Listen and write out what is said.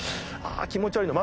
気持ち悪いな。